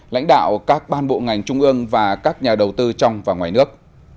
lãnh đạo các ban bộ ngành trung ương và các nhà đầu tư trong và ngoài nước